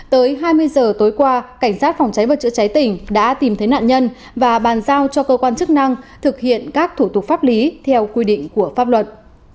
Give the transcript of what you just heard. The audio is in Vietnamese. tới hai mươi giờ tối qua cảnh sát phòng cháy và chữa cháy tỉnh đã tìm thấy nạn nhân và bàn giao cho cơ quan chức năng thực hiện các thủ tục pháp lý theo quy định của pháp luật